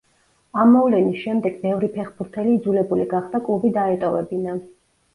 ამ მოვლენის შემდეგ ბევრი ფეხბურთელი იძულებული გახდა, კლუბი დაეტოვებინა.